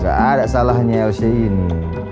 gak ada salahnya elsie ini